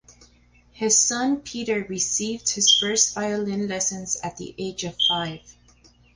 His son Peter received his first violin lessons at the age of five.